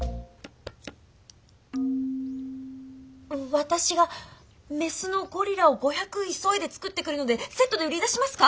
私がメスのゴリラを５００急いで作ってくるのでセットで売り出しますか？